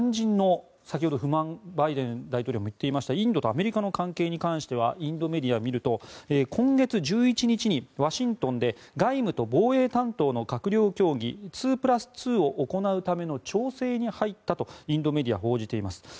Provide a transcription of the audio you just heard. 一方、肝心の先ほど不満をバイデン大統領が言っていましたインドとアメリカの関係についてはインドメディアを見ると今月１１日にワシントンで外務と防衛担当の閣僚会議２プラス２を行うための調整に入ったとインドメディアが報じています。